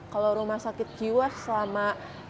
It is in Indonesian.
kalau rumah sakit jiwa selama